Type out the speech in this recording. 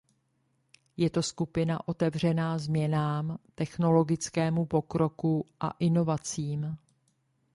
Je to skupina otevřená změnám, technologickému pokroku a inovacím.